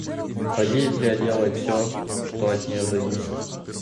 Бразилия делает все, что от нее зависит.